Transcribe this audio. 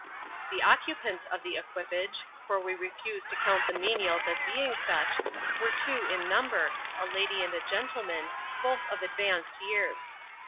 The occupants of the equipage for we refuse to count the menials as being such were two in number, a lady and gentleman, both of advanced years.